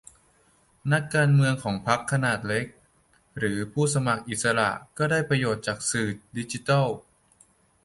นักการเมืองของพรรคขนาดเล็ก หรือผู้สมัครอิสระก็ได้ประโยชน์จากสื่อดิจิทัล